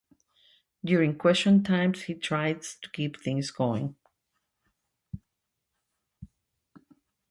During question-time he tries to keep things going...